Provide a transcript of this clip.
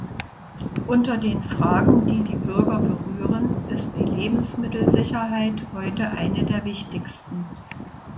Unter den Fragen, die die Bürger berühren, ist die Lebensmittelsicherheit heute eine der wichtigsten.